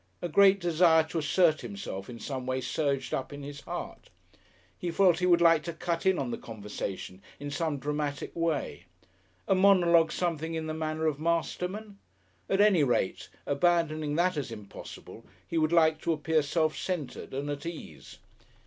A great desire to assert himself in some way surged up in his heart. He felt he would like to cut in on the conversation in some dramatic way. A monologue something in the manner of Masterman? At any rate, abandoning that as impossible, he would like to appear self centred and at ease.